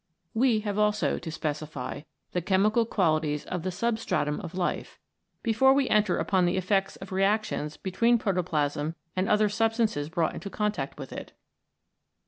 We have also to specify the chemical qualities of the substratum of life before we enter upon the effects of reactions between protoplasm and other substances brought into contact with it.